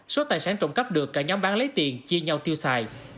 số tài sản trộm cắp được cả nhóm bán lấy tiền chia nhau tiêu xài